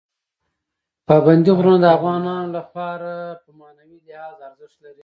پابندي غرونه د افغانانو لپاره په معنوي لحاظ ارزښت لري.